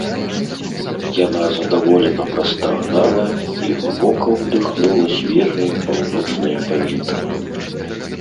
Яна задаволена прастагнала і глыбока ўдыхнула свежае паўночнае паветра